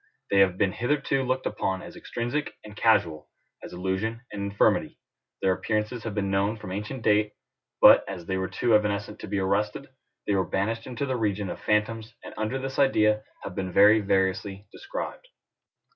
They have been hitherto looked upon as extrinsic and casual, as illusion and infirmity: their appearances have been known from ancient date; but, as they were too evanescent to be arrested, they were banished into the region of phantoms, and under this idea have been very variously described.